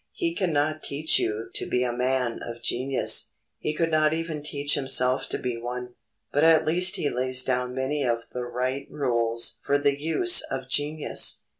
He cannot teach you to be a man of genius; he could not even teach himself to be one. But at least he lays down many of the right rules for the use of genius.